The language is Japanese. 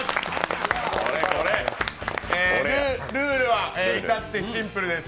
ルールは至ってシンプルです。